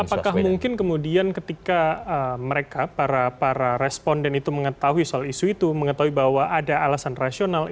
apakah mungkin kemudian ketika mereka para responden itu mengetahui soal isu itu mengetahui bahwa ada alasan rasional